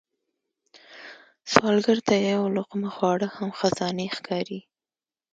سوالګر ته یو لقمه خواړه هم خزانې ښکاري